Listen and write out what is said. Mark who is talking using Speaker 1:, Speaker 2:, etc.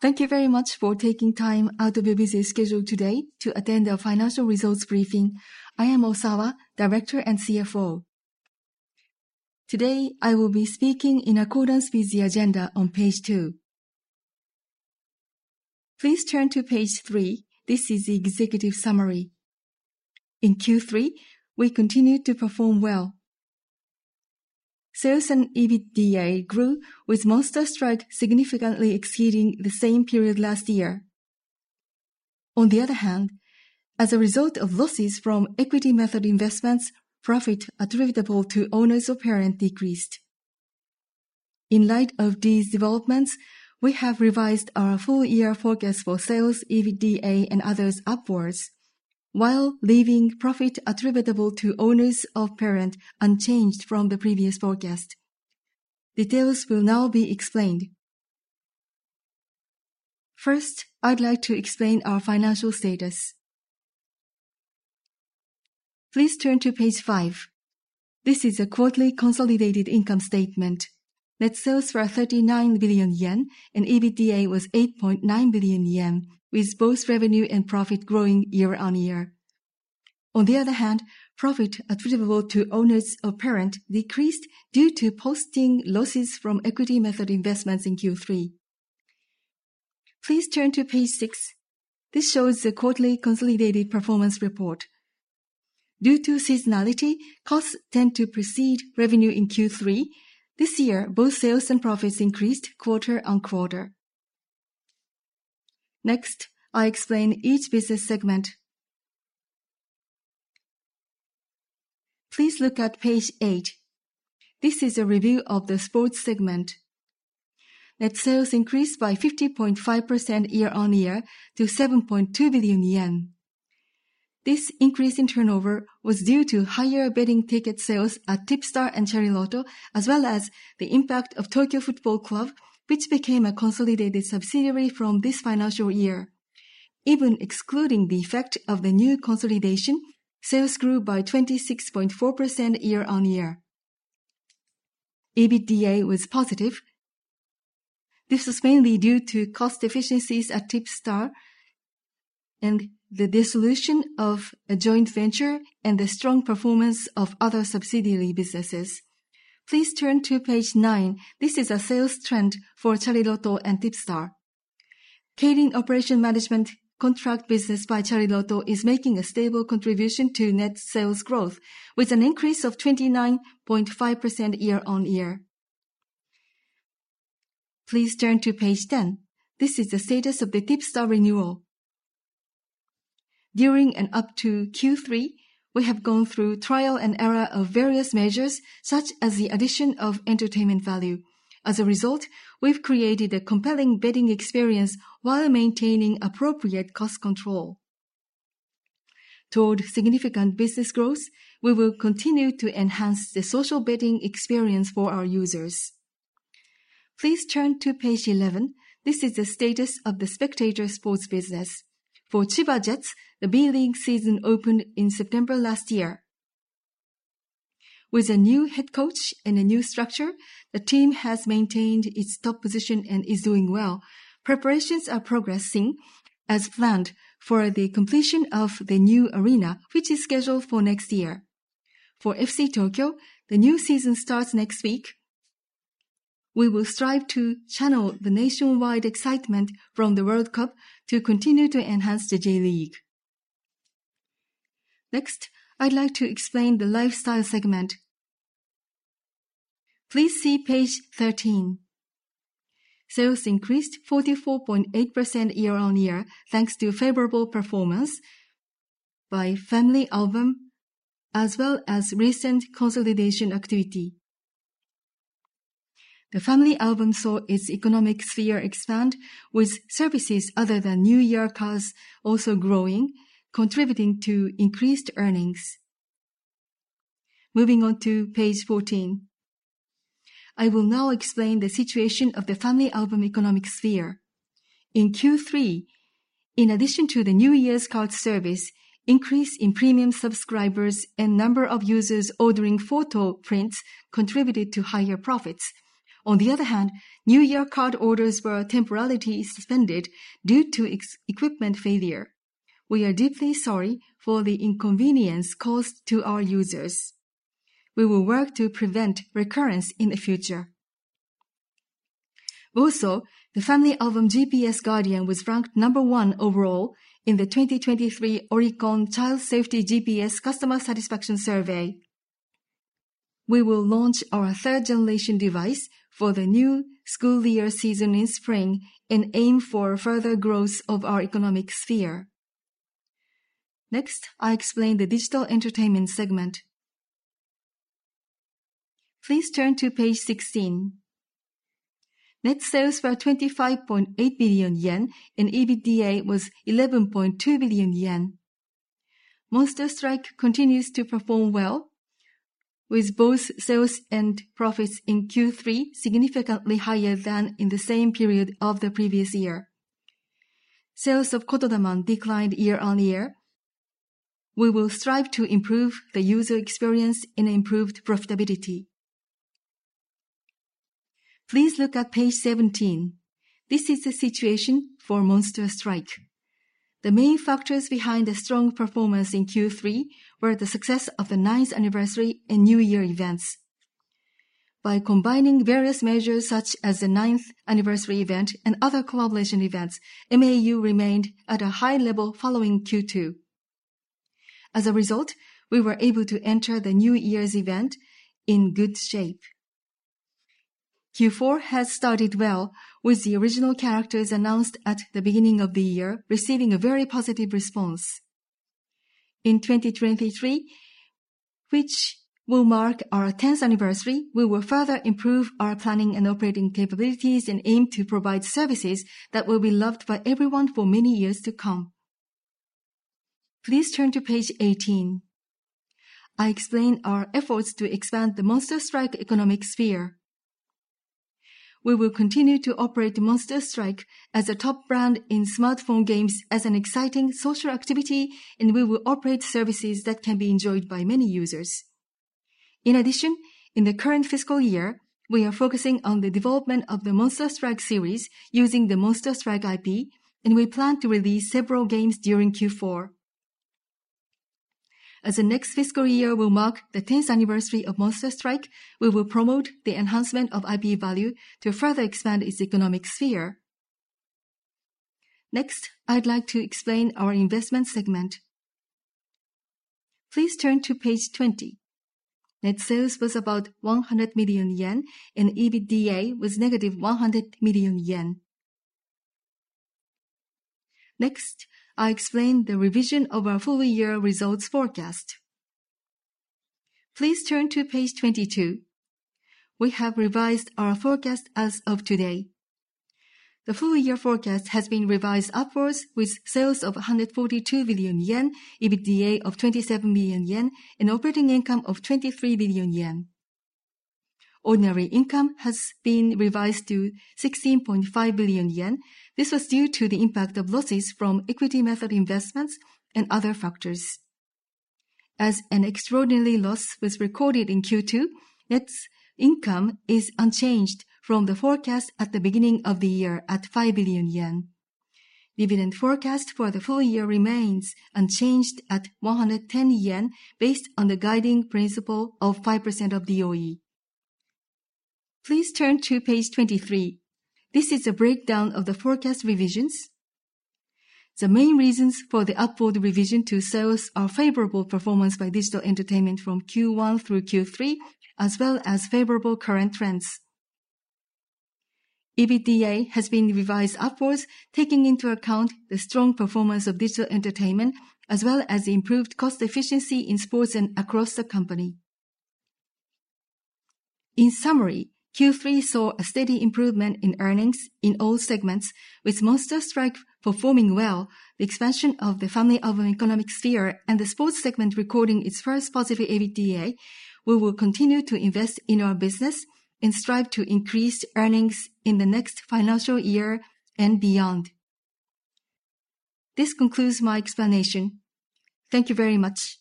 Speaker 1: Thank you very much for taking time out of your busy schedule today to attend our financial results briefing. I am Osawa, Director and CFO. Today, I will be speaking in accordance with the agenda on page two. Please turn to page three. This is the executive summary. In Q3, we continued to perform well. Sales and EBITDA grew Monster Strike significantly exceeding the same period last year. On the other hand, as a result of losses from equity method investments, profit attributable to owners of parent decreased. In light of these developments, we have revised our full year forecast for sales, EBITDA, and others upwards, while leaving profit attributable to owners of parent unchanged from the previous forecast. Details will now be explained. First, I'd like to explain our financial status. Please turn to page five. This is a quarterly consolidated income statement. Net sales were 39 billion yen and EBITDA was 8.9 billion yen, with both revenue and profit growing year-on-year. Profit attributable to owners of parent decreased due to posting losses from equity method investments in Q3. Please turn to page six. This shows the quarterly consolidated performance report. Due to seasonality, costs tend to precede revenue in Q3. This year, both sales and profits increased quarter-on-quarter. I explain each business segment. Please look at page eight. This is a review of the sports segment. Net sales increased by 50.5% year-on-year to 7.2 billion yen. This increase in turnover was due to higher betting ticket sales at TIPSTAR and Chariloto, as well as the impact of Tokyo Football Club, which became a consolidated subsidiary from this financial year. Even excluding the effect of the new consolidation, sales grew by 26.4% year-on-year. EBITDA was positive. This is mainly due to cost efficiencies at TIPSTAR and the dissolution of a joint venture and the strong performance of other subsidiary businesses. Please turn to page nine. This is a sales trend for Chariloto and TIPSTAR. Catering operation management contract business by Chariloto is making a stable contribution to net sales growth with an increase of 29.5% year-on-year. Please turn to page 10. This is the status of the TIPSTAR renewal. During and up to Q3, we have gone through trial and error of various measures, such as the addition of entertainment value. As a result, we've created a compelling betting experience while maintaining appropriate cost control. Toward significant business growth, we will continue to enhance the social betting experience for our users. Please turn to page 11. This is the status of the spectator sports business. For Chiba Jets, the B.LEAGUE season opened in September last year. With a new head coach and a new structure, the team has maintained its top position and is doing well. Preparations are progressing as planned for the completion of the new arena, which is scheduled for next year. For FC Tokyo, the new season starts next week. We will strive to channel the nationwide excitement from the World Cup to continue to enhance the J.League. Next, I'd like to explain the lifestyle segment. Please see page 13. Sales increased 44.8% year-on-year, thanks to favorable performance by FamilyAlbum, as well as recent consolidation activity. The FamilyAlbum saw its economic sphere expand with services other than new year cards also growing, contributing to increased earnings. Moving on to page 14. I will now explain the situation of the FamilyAlbum economic sphere. In Q3, in addition to the New Year's card service, increase in premium subscribers and number of users ordering photo prints contributed to higher profits. On the other hand, New Year card orders were temporarily suspended due to external equipment failure. We are deeply sorry for the inconvenience caused to our users. We will work to prevent recurrence in the future. Also, the Mitene Mimamori GPS was ranked number one overall in the 2023 Oricon Child Safety GPS Customer Satisfaction Survey. We will launch our third generation device for the new school year season in spring and aim for further growth of our economic sphere. Next, I explain the digital entertainment segment. Please turn to page 16. Net sales were 25.8 billion yen and EBITDA was 11.2 billion yen. Monster Strike continues to perform well, with both sales and profits in Q3 significantly higher than in the same period of the previous year. Sales of Kotodaman declined year-on-year. We will strive to improve the user experience and improved profitability. Please look at page 17. This is the situation for Monster Strike. The main factors behind the strong performance in Q3 were the success of the ninth anniversary and New Year events. By combining various measures such as the ninth anniversary event and other collaboration events, MAU remained at a high level following Q2. As a result, we were able to enter the New Year's event in good shape. Q4 has started well with the original characters announced at the beginning of the year receiving a very positive response. In 2023, which will mark our 10th anniversary, we will further improve our planning and operating capabilities and aim to provide services that will be loved by everyone for many years to come. Please turn to page 18. I explain our efforts to expand the Monster Strike economic sphere. We will continue to operate Monster Strike as a top brand in smartphone games as an exciting social activity. We will operate services that can be enjoyed by many users. In addition, in the current fiscal year, we are focusing on the development of the Monster Strike series using the Monster Strike IP. We plan to release several games during Q4. As the next fiscal year will mark the 10th anniversary of Monster Strike, we will promote the enhancement of IP value to further expand its economic sphere. I'd like to explain our investment segment. Please turn to page 20. Net sales was about 100 million yen and EBITDA was negative 100 million yen. I explain the revision of our full year results forecast. Please turn to page 22. We have revised our forecast as of today. The full year forecast has been revised upwards with sales of 142 billion yen, EBITDA of 27 billion yen, and operating income of 23 billion yen. Ordinary income has been revised to 16.5 billion yen. This was due to the impact of losses from equity method investments and other factors. An extraordinary loss was recorded in Q2, net income is unchanged from the forecast at the beginning of the year at 5 billion yen. Dividend forecast for the full year remains unchanged at 110 yen based on the guiding principle of 5% of DOE. Please turn to page 23. This is a breakdown of the forecast revisions. The main reasons for the upward revision to sales are favorable performance by digital entertainment from Q1 through Q3, as well as favorable current trends. EBITDA has been revised upwards, taking into account the strong performance of digital entertainment as well as improved cost efficiency in sports and across the company. In summary, Q3 saw a steady improvement in earnings in all segments, with Monster Strike performing well, the expansion of the family of economic sphere, and the sports segment recording its first positive EBITDA. We will continue to invest in our business and strive to increase earnings in the next financial year and beyond. This concludes my explanation. Thank you very much.